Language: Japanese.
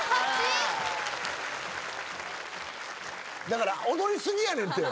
だから踊り過ぎやねんて。